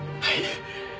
はい。